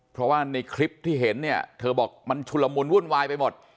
เพราะว่าในคลิปที่เห็นเนี่ยเธอบอกมันชุลมุนวุ่นวายไปหมด